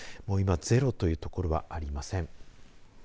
もういま、ゼロという所はありません。